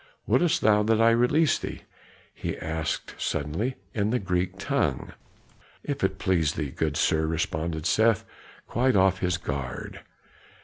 "Wouldst thou that I release thee?" he asked suddenly in the Greek tongue. "If it please thee, good sir," responded Seth, quite off his guard.